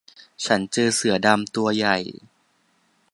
ฉันเจอเสือดำตัวใหญ่